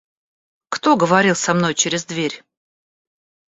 Кто говорил со мной через дверь?